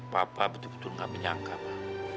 papa betul betul gak menyangka ma